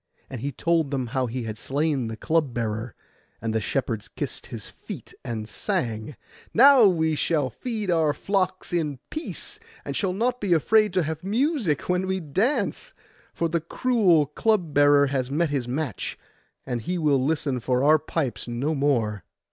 And he told them how he had slain the club bearer: and the shepherds kissed his feet and sang, 'Now we shall feed our flocks in peace, and not be afraid to have music when we dance; for the cruel club bearer has met his match, and he will listen for our pipes no more.